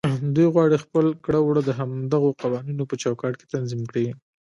دوی غواړي خپل کړه وړه د همدغو قوانينو په چوکاټ کې تنظيم کړي.